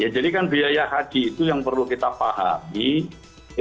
kan biaya haji itu yang perlu kita pahami